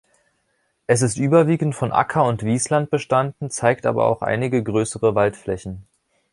Es ist überwiegend von Acker- und Wiesland bestanden, zeigt aber auch einige größere Waldflächen.